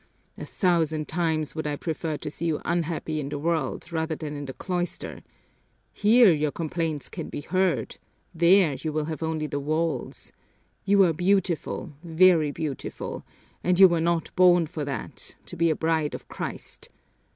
A thousand times would I prefer to see you unhappy in the world rather than in the cloister. Here your complaints can be heard, there you will have only the walls. You are beautiful, very beautiful, and you were not born for that to be a bride of Christ!